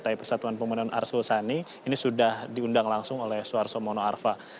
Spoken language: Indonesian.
ini sudah diundang langsung oleh suarso mono arva